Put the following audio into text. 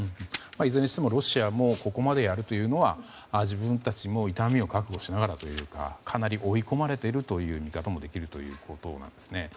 いずれにしてもロシアもここまでやるというのは自分たちも痛みを覚悟しながらというかかなり追い込まれているという見方もできるということなんですね。